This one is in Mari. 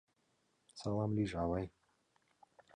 Салам лийже, авай!